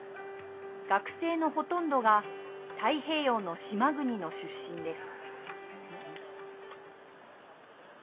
学生のほとんどが太平洋の島国の出身です。